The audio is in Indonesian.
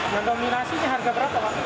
dan kombinasinya harga berapa